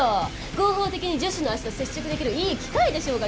合法的に女子の足と接触できるいい機会でしょうが。